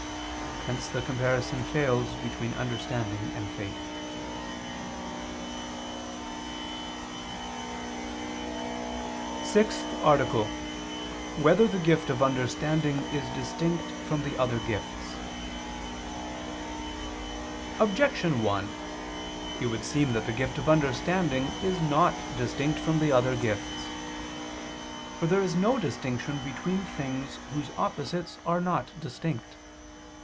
Hence the comparison fails between understanding and faith. _______________________ SIXTH ARTICLE [II II, Q. 8, Art. 6] Whether the Gift of Understanding Is Distinct from the Other Gifts? Objection 1: It would seem that the gift of understanding is not distinct from the other gifts. For there is no distinction between things whose opposites are not distinct.